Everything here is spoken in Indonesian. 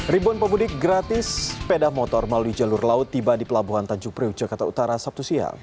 ribuan pemudik gratis sepeda motor melalui jalur laut tiba di pelabuhan tanjung priuk jakarta utara sabtu siang